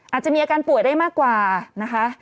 อาจจะมีอาการป่วยได้มากกว่านะคะ